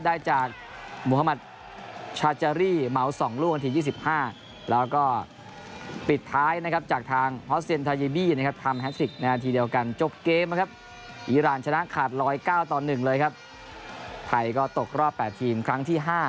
ได้จากมุธมัติชาเจอรี่เมาส์สองล่วงนาทียี่สิบห้า